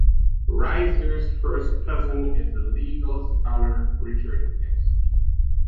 Reiser's first cousin is the legal scholar Richard Epstein.